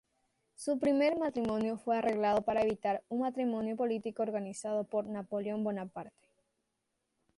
Su primer matrimonio fue arreglado para evitar un matrimonio político organizado por Napoleón Bonaparte.